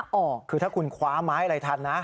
โอ้โหคือถ้าคุณคว้าไม้อะไรทันนะ